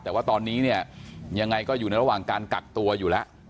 แต่ว่าตอนนี้เนี่ยยังไงก็อยู่ในระหว่างการกักตัวอยู่แล้ว